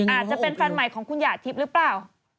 อาจจะเป็นฟันใหม่ของคุณหยาดทิปรึเปล่า